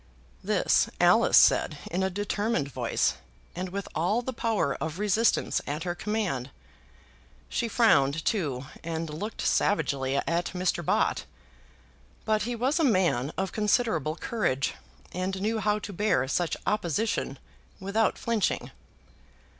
This Alice said in a determined voice, and with all the power of resistance at her command. She frowned too, and looked savagely at Mr. Bott. But he was a man of considerable courage, and knew how to bear such opposition without flinching.